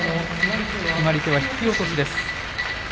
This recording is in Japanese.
決まり手は引き落としです。